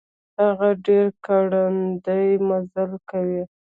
هغه ډير ګړندی مزل کوي.